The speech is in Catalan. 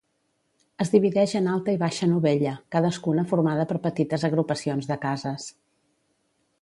Es divideix en Alta i Baixa Novella, cadascuna formada per petites agrupacions de cases.